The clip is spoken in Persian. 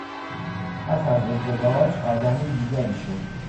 پس از ازدواج آدم دیگری شد.